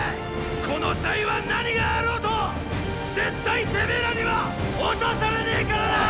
このは何があろうと絶対てめェらには落とされねェからなァ！